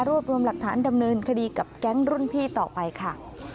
รวมรวมหลักฐานดำเนินคดีกับแก๊งรุ่นพี่ต่อไปค่ะ